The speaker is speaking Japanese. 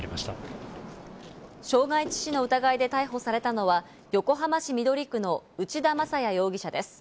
傷害致死の疑いで逮捕されたのは横浜市緑区の内田正也容疑者です。